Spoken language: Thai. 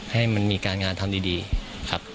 ให้มันมีการงานทำดีครับ